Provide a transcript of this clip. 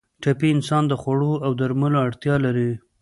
ټپي انسان د خوړو او درملو اړتیا لري.